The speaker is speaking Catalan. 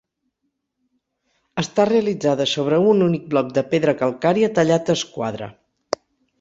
Està realitzada sobre un únic bloc de pedra calcària tallat a esquadra.